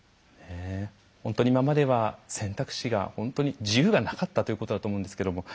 本当に今までは選択肢が本当に自由がなかったということだと思うんですけども。